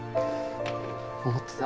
思ってた。